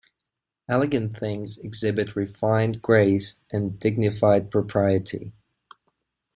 Elegant things exhibit refined grace and dignified propriety.